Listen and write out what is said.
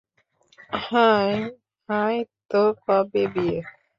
High -hi তো কবে বিয়ে?